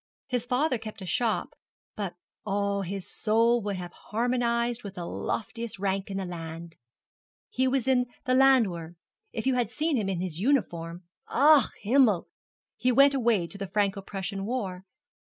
His father kept a shop, but, oh, his soul would have harmonized with the loftiest rank in the land. He was in the Landwehr. If you had seen him in his uniform ach, Himmel! He went away to the Franco Prussian war.